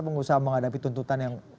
pengusaha menghadapi tuntutan yang